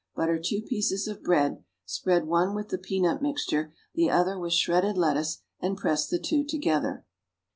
Butter two pieces of bread; spread one with the peanut mixture, the other with shredded lettuce, and press the two together.